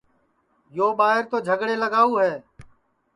یو ٻائیر تو جھگڑے لگاؤ ہے